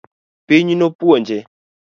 Piny nopuonje